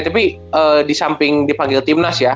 tapi di samping dipanggil timnas ya